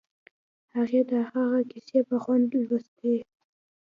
هغې د هغه کیسې په خوند لوستې